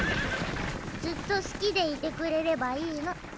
ずっと好きでいてくれればいいの。